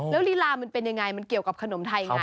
แล้วลีลามันเป็นยังไงมันเกี่ยวกับขนมไทยไง